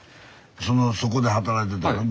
そのそこで働いてたの？